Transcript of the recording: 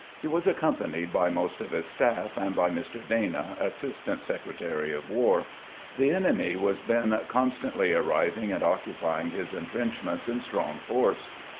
He was accompanied by most of his staff, and by Mr. Dana, Assistant Secretary of War. The enemy was then constantly arriving and occupying his intrenchments in strong force.